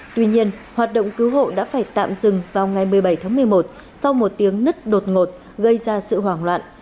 tuy nhiên hoạt động cứu hộ đã phải tạm dừng vào ngày một mươi bảy tháng một mươi một sau một tiếng nứt đột ngột gây ra sự hoảng loạn